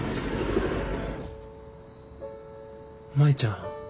舞ちゃん。